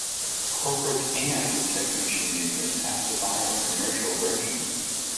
Corporate and technician users have to buy a commercial version.